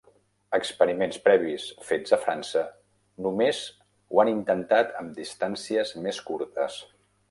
Experiments previs fets a França només ho han intentat amb distàncies més curtes.